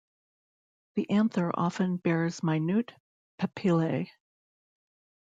The anther often bears minute papillae.